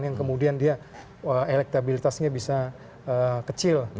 yang kemudian dia elektabilitasnya bisa kecil